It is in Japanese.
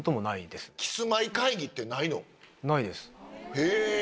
へぇ。